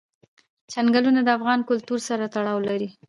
چنګلونه د افغان کلتور سره تړاو لري.